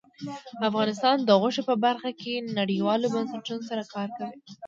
افغانستان د غوښې په برخه کې نړیوالو بنسټونو سره کار کوي.